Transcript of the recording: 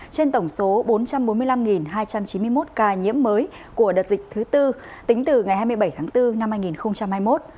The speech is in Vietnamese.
trên tổng số bốn trăm bốn mươi năm hai trăm chín mươi một ca nhiễm mới của đợt dịch thứ tư tính từ ngày hai mươi bảy tháng bốn năm hai nghìn hai mươi một